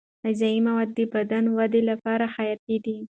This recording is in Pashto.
غذايي مواد د بدن ودې لپاره حیاتي دي.